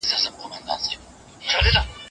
هغه به تر شپو ناوخته لوستی وي.